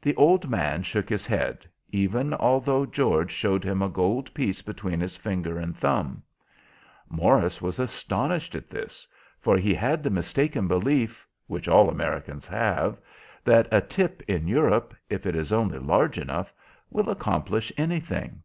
The old man shook his head, even although George showed him a gold piece between his finger and thumb. Morris was astonished at this, for he had the mistaken belief which all Americans have, that a tip in Europe, if it is only large enough, will accomplish anything.